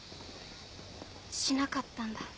しなかったんだ。